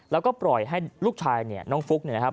แล้วก็ปล่อยให้ลูกชายเนี่ยน้องฟุ๊กเนี่ยนะครับ